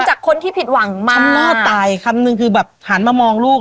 มันจากคนที่ผิดหวังมากชำนาดตายคำนึงคือแบบหามามองลูก